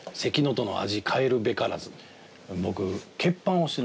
僕。